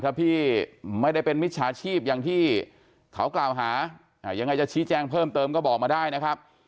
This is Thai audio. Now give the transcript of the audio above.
ถ้าพี่ไม่ได้เป็นมิจฉาชีพอย่างที่เขากล่าวหายังไงจะชี้แจ้งเพิ่มเติมก็บอกมาได้นะครับ